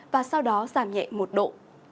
và sau đó giảm nhẹ một độ